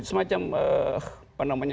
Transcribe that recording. semacam apa namanya